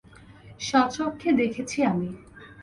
স্বচক্ষে দেখেছি আমি।